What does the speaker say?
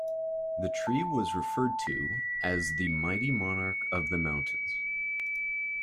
The tree was referred to as the "mighty monarch of the mountains".